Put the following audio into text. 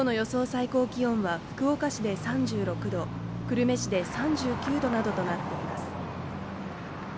最高気温は福岡市で３６度久留米市で３９度などとなっています